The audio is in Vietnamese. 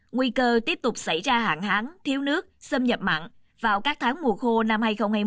nguy cơ tiếp tục xảy ra hạn hán thiếu nước xâm nhập mặn vào các tháng mùa khô năm hai nghìn hai mươi hai nghìn hai mươi một